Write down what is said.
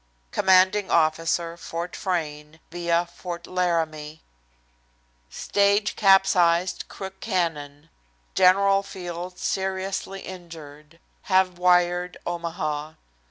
COMMANDING OFFICER, FORT FRAYNE, via Fort Laramie. Stage capsized Crook Cañon. General Field seriously injured. Have wired Omaha.